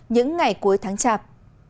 những ngày cuối tháng chạp